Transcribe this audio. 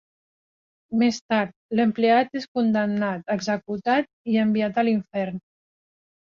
Més tard, l'empleat és condemnat, executat i enviat a l'infern.